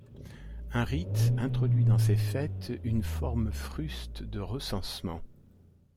Un rite introduit dans ces fêtes une forme fruste de recensement.